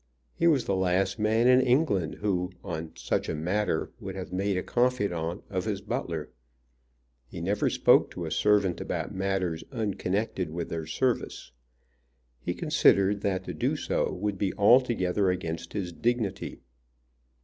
He was the last man in England who, on such a matter, would have made a confidant of his butler. He never spoke to a servant about matters unconnected with their service. He considered that to do so would be altogether against his dignity.